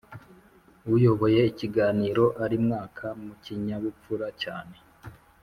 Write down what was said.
uyoboye ikiganiro arimwaka mu kinyabupfura cyane